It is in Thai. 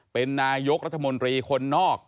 เป็นนายกรัฐมนตรีคนนอก